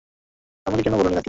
আমাকে কেন বলোনি, লাকি?